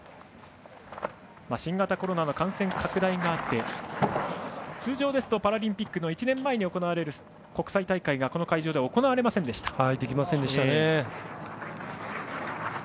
新型コロナの感染拡大があって通常ですとパラリンピックの１年前に行われる国際大会がこの会場で行われませんでした。